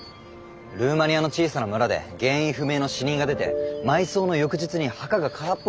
ルーマニアの小さな村で原因不明の死人が出て埋葬の翌日に墓が空っぽになってたって。